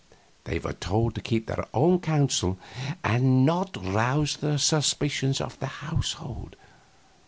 They were told to keep their own counsel, and not rouse the suspicions of the household.